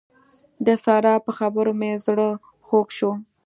د سارا په خبرو مې زړه خوږ شو.